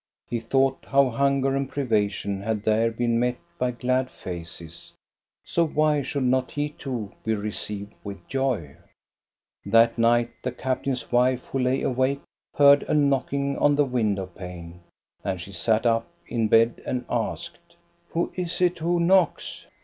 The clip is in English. He thought how hunger and privation had there been met by glad faces, so why should not he too be received with joy? That night the captain's wife, who lay awake, heard a knocking on the window pane, and she sat up in bed and asked: "Who is it who knocks?"